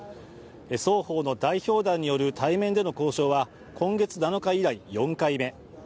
双方の代表団による対面での交渉は今月７日以来、４回目。